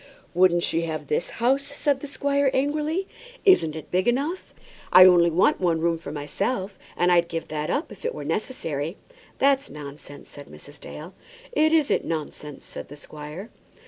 "Wouldn't she have this house?" said the squire, angrily. "Isn't it big enough? I only want one room for myself, and I'd give up that if it were necessary." "That's nonsense," said Mrs. Dale. "It isn't nonsense," said the squire.